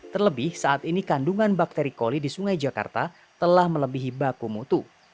terlebih saat ini kandungan bakteri koli di sungai jakarta telah melebihi baku mutu